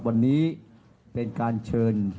วันนี้เป็นการเชิญ